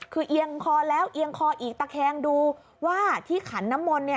คือเอียงคอแล้วเอียงคออีกตะแคงดูว่าที่ขันน้ำมนต์